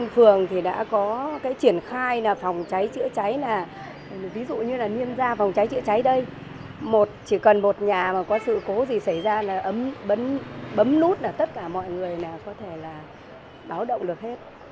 ví dụ như là niêm da phòng cháy chữa cháy đây chỉ cần một nhà mà có sự cố gì xảy ra là ấm bấm nút là tất cả mọi người có thể là báo động được hết